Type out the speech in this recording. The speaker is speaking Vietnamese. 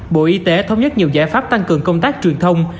bộ y tế thống nhất nhiều giải pháp tăng cường công tác truyền thông